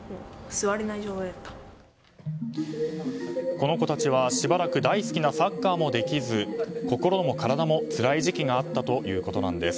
この子たちはしばらく大好きなサッカーもできず心も体もつらい時期があったということなんです。